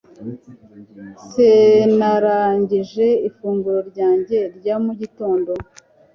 Sinarangije ifunguro ryanjye rya mu gitondo